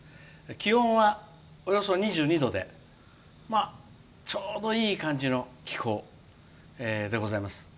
気温はおよそ２２度でちょうどいい感じの気候でございます。